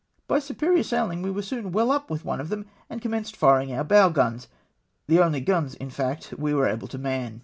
By superior saihng we were soon well up with one of them, and commenced firing our bow guns — the only guns, hi fact, we were able to man.